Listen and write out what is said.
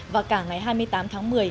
và cả ngày hai mươi tám tháng một mươi